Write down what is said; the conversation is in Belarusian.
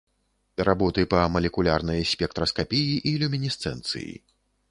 Работы па малекулярнай спектраскапіі і люмінесцэнцыі.